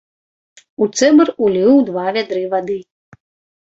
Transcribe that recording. У цэбар уліў два вядры вады.